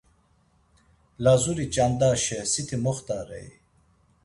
Lazuri ç̌andaşe siti moxtarei?